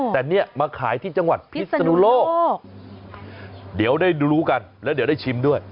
แต่เนี่ยมาขายที่จังหวัดพิศนุโลกเดี๋ยวได้ดูรู้กันแล้วเดี๋ยวได้ชิมด้วย